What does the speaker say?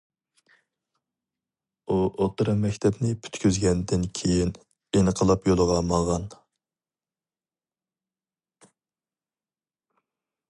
ئۇ ئوتتۇرا مەكتەپنى پۈتكۈزگەندىن كېيىن، ئىنقىلاب يولىغا ماڭغان.